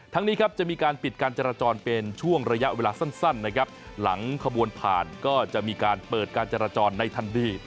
นี้ครับจะมีการปิดการจราจรเป็นช่วงระยะเวลาสั้นนะครับหลังขบวนผ่านก็จะมีการเปิดการจราจรในทันที